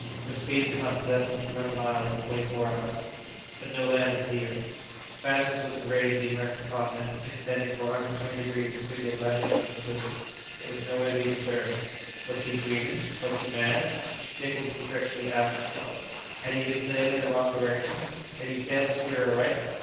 Her speed could not be less than two hundred miles in twenty four hours. But no land appeared. Vast as was the range of the American continent, extending for 120 degrees between the Atlantic and the Pacific, it was nowhere to be discerned. Was he dreaming? was he mad? Dick would perpetually ask himself: had he been sailing in a wrong direction? had he failed to steer aright?